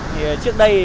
thì trước đây